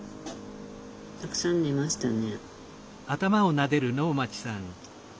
たくさん寝ましたね。